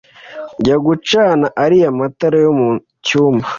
jya gucana ariya matara yo mu cyumba